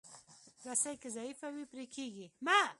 رسۍ که ضعیفه وي، پرې کېږي.